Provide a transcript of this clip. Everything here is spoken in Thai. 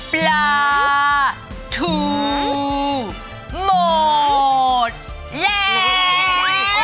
ปลาถูหมดแล้ว